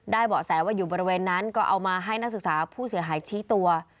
เบาะแสว่าอยู่บริเวณนั้นก็เอามาให้นักศึกษาผู้เสียหายชี้ตัว